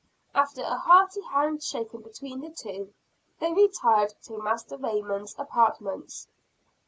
After a hearty hand shaking between the two, they retired to Master Raymond's apartments.